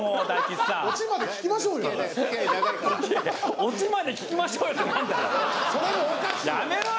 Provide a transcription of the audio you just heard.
「オチまで聞きましょうよ」って何だよ？